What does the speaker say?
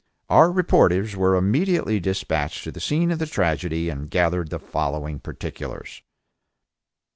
Our reporters were immediately dispatched to the scene of the tragedy, and gathered the following particulars.